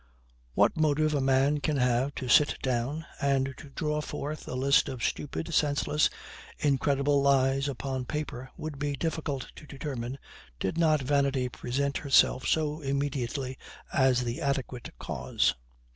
] What motive a man can have to sit down, and to draw forth a list of stupid, senseless, incredible lies upon paper, would be difficult to determine, did not Vanity present herself so immediately as the adequate cause.